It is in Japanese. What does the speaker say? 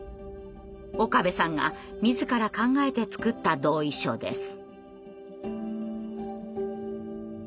岡部さんが自ら考えて作った同意書です。